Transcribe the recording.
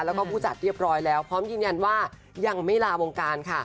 แล้วก็ผู้จัดเรียบร้อยแล้วพร้อมยืนยันว่ายังไม่ลาวงการค่ะ